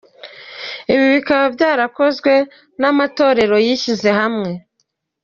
Ibi bikaba byarakozwe n’amatorero yishyize hamwe.